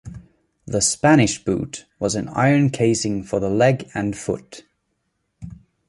The Spanish boot was an iron casing for the leg and foot.